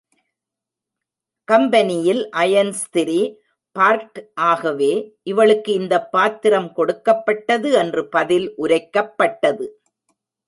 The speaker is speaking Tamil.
கம்பெனியில் அயன் ஸ்திரீ பார்ட்க் ஆகவே இவளுக்கு இந்தப் பாத்திரம் கொடுக்கப்பட்டது என்று பதில் உரைக்கப்பட்டது.